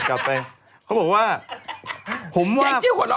กลับไป